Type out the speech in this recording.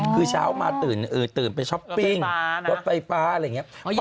คือเช้ามาตื่นไปช้อปปิ้งรถไฟฟ้าอะไรอย่างนี้